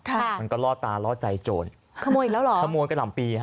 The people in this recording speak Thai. ค่ะมันก็ล่อตาล่อใจโจรขโมยอีกแล้วเหรอขโมยกะหล่ำปีฮะ